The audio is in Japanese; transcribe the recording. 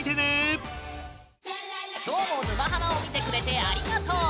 今日も「沼ハマ」を見てくれてありがとう！